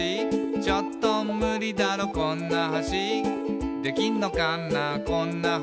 「ちょっとムリだろこんな橋」「できんのかなこんな橋」